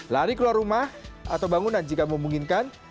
lari keluar rumah atau bangunan jika memungkinkan